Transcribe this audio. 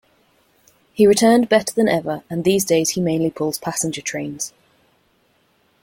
He returned better than ever, and these days he mainly pulls passenger trains.